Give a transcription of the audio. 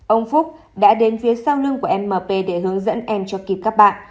ông phúc đã đến phía sau lưng của mp để hướng dẫn em cho kịp các bạn